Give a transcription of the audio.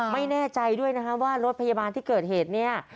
ไม่แน่ใจด้วยนะคะว่ารถพยาบาลที่เกิดเหตุเนี่ย